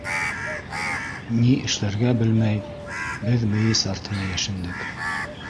Ни эшләргә белмәй, беҙ мейес артына йәшендек.